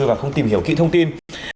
và không tìm hiểu kỹ thông tin